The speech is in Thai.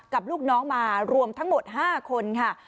ลูกน้องมารวมทั้งหมด๕คนค่ะ